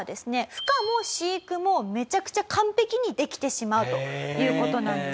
ふ化も飼育もめちゃくちゃ完璧にできてしまうという事なんですよね。